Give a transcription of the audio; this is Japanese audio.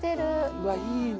うわいいね。